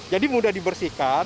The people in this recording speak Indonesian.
jadi mudah dibersihkan